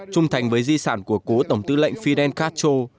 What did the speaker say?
trung thành với di sản của cố tổng tư lệnh fidel castro